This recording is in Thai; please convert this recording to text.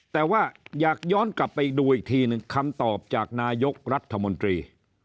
แต่ว่าอยากย้อนกลับไปดูอีกทีหนึ่งคำตอบจากนายกรัฐมนตรี